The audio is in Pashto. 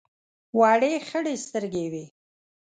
وړې خړې سترګې یې وې.